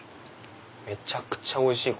めちゃくちゃおいしい！